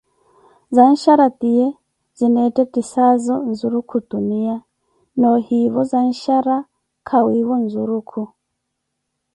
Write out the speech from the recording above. zanshara tiye zineettetisaazo nzuruku ntuniya, noohivo zanshara kawiivo nzurukhu.